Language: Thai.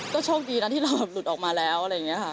ก็โชคดีนะที่เราแบบหลุดออกมาแล้วอะไรอย่างนี้ค่ะ